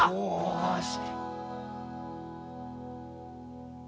よし！